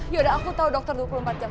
yaudah aku tahu dokter dua puluh empat jam